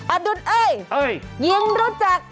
อดุลเอ้ยหญิงรู้จัก